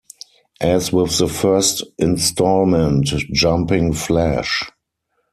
As with the first instalment, Jumping Flash!